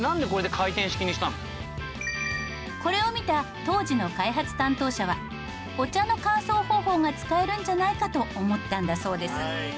これを見た当時の開発担当者はお茶の乾燥方法が使えるんじゃないかと思ったんだそうです。